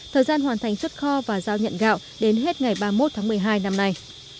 thời gian hoàn thành xuất kho và giao nhận gạo đến hết ngày ba mươi một tháng một mươi hai năm nay